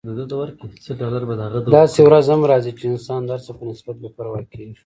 داسې ورځ هم راځي چې انسان د هر څه په نسبت بې پروا کیږي.